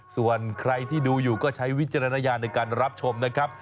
ส่วนใครที่ดูอยู่ก็ใช้วิจารณญาณในการรับชมนะครับ